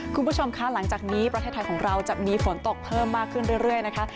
คุณผู้ชมคะหลังจากนี้ประเทศไทยของเราจะมีฝนตกเพิ่มมากขึ้นเรื่อยนะคะ